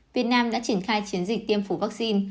việt nam đã triển khai chiến dịch tiêm phủ vaccine